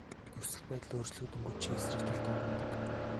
Нөхцөл байдал өөрчлөгдөнгүүт чи эсрэг талдаа урвадаг.